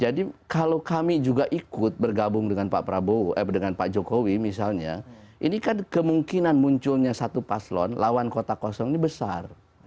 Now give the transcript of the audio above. jadi kalau kami juga ikut bergabung dengan pak jokowi misalnya ini kan kemungkinan munculnya satu paslon lawan kota kosong ini besar